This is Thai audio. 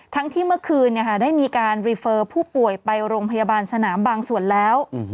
ทั้งที่เมื่อคืนเนี่ยค่ะได้มีการพูดป่วยไปโรงพยาบาลสนามบางส่วนแล้ว